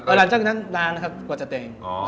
พอถึงเจ้าก็ล้างนะครับกว่าจะแต่ง